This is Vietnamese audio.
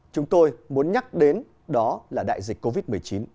chúng tôi muốn nhắc đến đó là đại dịch covid một mươi chín